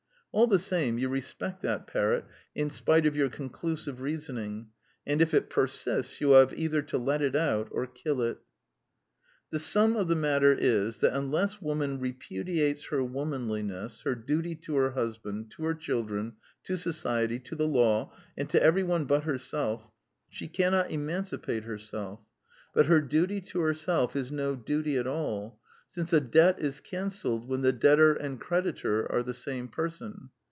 All the same, you respect that parrot in spite of your con clusive reasoning; and if it persists, you will have either to let it out or kill it. ^^ The sum of the matter is that unless Woman repudiates her womanliness, her duty to her hus band, to her children, to society, to the law, and to everyone but herself, she cannot emancipate The Womanly Woman 47 herself. But her duty to herself is no duty at all, since a debt is cancelled when the debtor and creditor are the same person.